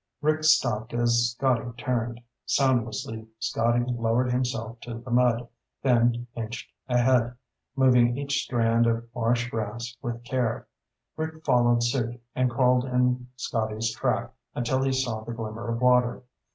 Rick stopped as Scotty turned. Soundlessly, Scotty lowered himself to the mud, then inched ahead, moving each strand of marsh grass with care. Rick followed suit, and crawled in Scotty's track until he saw the glimmer of water.